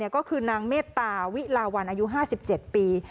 ก็คือนางเมตตาวิลาวันอายุ๕๗ปี